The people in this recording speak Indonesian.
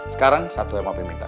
sekarang satu yang mau minta